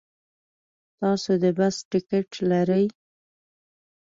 تاسو د بس ټکټ لرئ؟